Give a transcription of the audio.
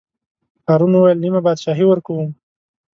هارون وویل: نیمه بادشاهي ورکووم.